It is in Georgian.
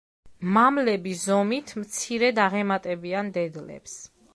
მამლები ზომით მცირედ აღემატებიან დედლებს.